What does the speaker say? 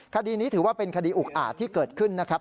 คดีนี้ถือว่าเป็นคดีอุกอาจที่เกิดขึ้นนะครับ